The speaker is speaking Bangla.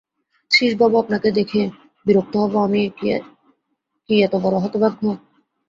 শ্রীশবাবু, আপনাকে দেখে বিরক্ত হব আমি কি এতবড়ো হতভাগ্য!